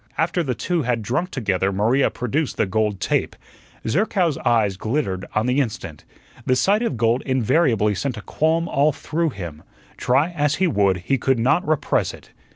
After the two had drunk together Maria produced the gold "tape." Zerkow's eyes glittered on the instant. The sight of gold invariably sent a qualm all through him; try as he would, he could not repress it.